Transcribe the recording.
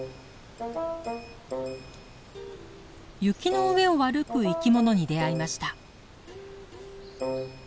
雪の上を歩く生き物に出会いました。